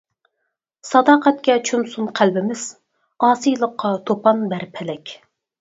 ساداقەتكە چۆمسۇن قەلبىمىز، ئاسىيلىققا «توپان» بەر پەلەك.